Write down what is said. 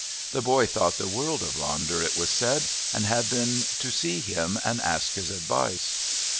The boy thought the world of Ronder, it was said, and had been to see him and ask his advice.